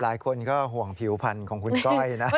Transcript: หลายคนก็ห่วงผิวพันธุ์ของคุณก้อยนะ